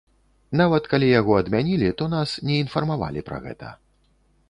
Нават калі яго адмянілі, то нас не інфармавалі пра гэта.